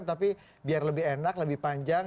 tapi biar lebih enak lebih panjang